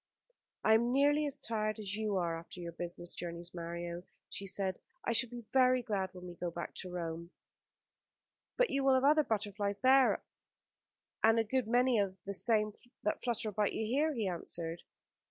"I am nearly as tired as you are after your business journeys, Mario," she said. "I shall be very glad when we can go back to Rome." "But you will have other butterflies there, and a good many of the same that flutter about you here," he answered.